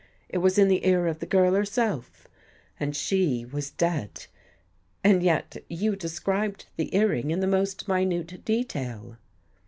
It was In the ear of the girl herself. And she was 69 THE GHOST GIRL dead. ... And yet, you described the earring in the most minute detail."